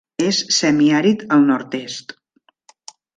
És semiàrid al nord-est.